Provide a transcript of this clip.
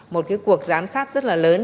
một cái cuộc giám sát rất là lớn